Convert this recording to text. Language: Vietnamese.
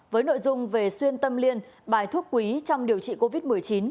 với nội dung về xuyên tâm liên bài thuốc quý trong điều trị covid một mươi chín